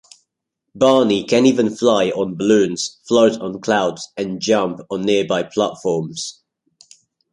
Barney can even fly on balloons, float on clouds, and jump on nearby platforms.